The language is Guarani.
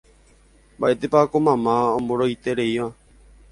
mba'étepa ko mama omboroitereíva